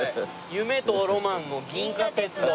「夢とロマンの銀河鉄道」